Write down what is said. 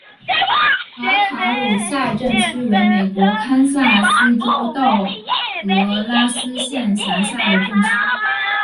瓦卡鲁萨镇区为美国堪萨斯州道格拉斯县辖下的镇区。